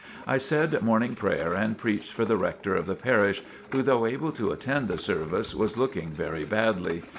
I said Morning Prayer and preached for the rector of the parish, who though able to attend the service, was looking very badly.